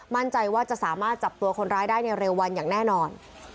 มั่นใจว่าจะสามารถจับตัวคนร้ายได้ในเร็ววันอย่างแน่นอน